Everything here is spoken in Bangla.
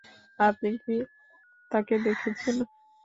আপনি কি তাকে দেখেছেন?